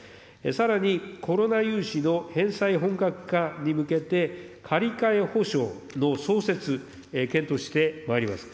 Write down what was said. さらにコロナ融資の返済本格化に向けて、借り替え補償の創設、検討してまいります。